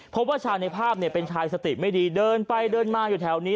พบว่าชายในภาพเป็นชายสติไม่ดีเดินไปเดินมาอยู่แถวนี้